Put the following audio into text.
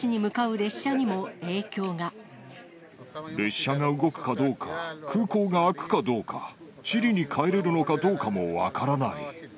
列車が動くかどうか、空港が開くかどうか、チリに帰れるのかどうかも分からない。